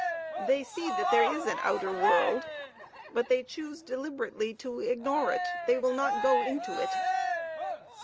They see that there is an outer world, but they choose deliberately to ignore it; they will not go into it.